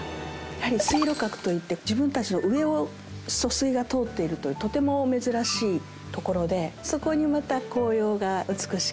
水路閣といって自分たちの上を疎水が通っているというとても珍しい所でそこにまた紅葉が美しく。